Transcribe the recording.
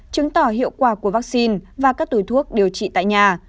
chứng tỏ hiệu quả của vaccine và các túi thuốc điều trị tại nhà